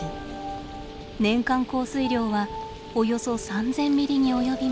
年間降水量はおよそ３，０００ミリに及びます。